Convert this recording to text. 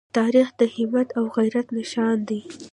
تاریخ د همت او غیرت نښان دی.